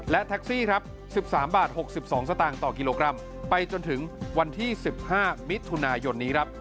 และแท็กซี่ครับ๑๓บาท๖๒สตางค์ต่อกิโลกรัมไปจนถึงวันที่๑๕มิถุนายนนี้ครับ